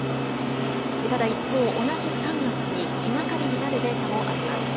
ただ一方、同じ３月に気がかりになるデータもあります。